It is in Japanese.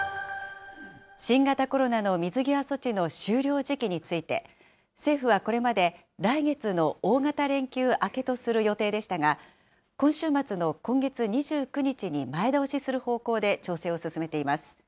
新型コロナの水際措置の終了時期について、政府はこれまで、来月の大型連休明けとする予定でしたが、今週末の今月２９日に前倒しする方向で調整を進めています。